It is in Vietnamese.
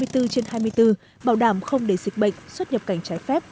hai mươi bốn trên hai mươi bốn bảo đảm không để dịch bệnh xuất nhập cảnh trái phép